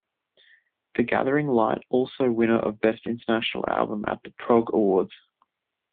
The Gathering Light also Winner of Best International Album at the Prog Awards.